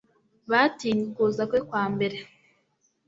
batinye ukuza kwe kwa mbere,